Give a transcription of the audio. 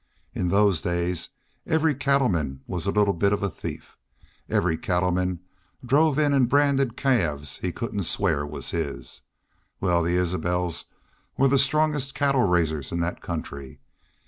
In those days every cattleman was a little bit of a thief. Every cattleman drove in an' branded calves he couldn't swear was his. Wal, the Isbels were the strongest cattle raisers in that country.